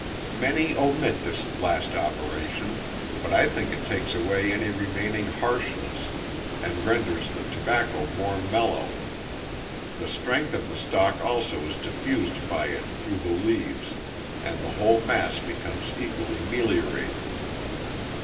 Many omit this last operation, but I think it takes away any remaining harshness, and renders the tobacco more mellow. The strength of the stalk also is diffused by it through the leaves, and the whole mass becomes equally meliorated.